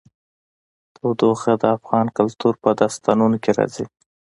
تودوخه د افغان کلتور په داستانونو کې راځي.